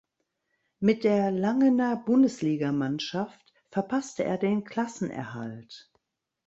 Mit der Langener Bundesligamannschaft verpasste er den Klassenerhalt.